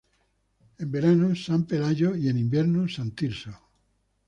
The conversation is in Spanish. En verano San Pelayo y en invierno San Tirso.